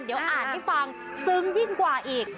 เดี๋ยวอ่านให้ฟังซึ้งยิ่งกว่าอีก